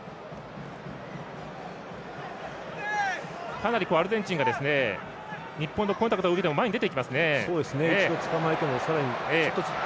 かなりアルゼンチンが日本のコンタクトを受けても一度、捕まえても。